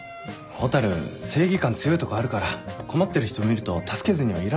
蛍正義感強いとこあるから困ってる人見ると助けずにはいられないんだよ。